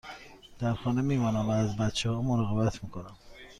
در خانه می مانم و از بچه ها مراقبت می کنم.